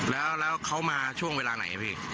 แล้วแล้วเขามาช่วงเวลาไหนน่ะพี่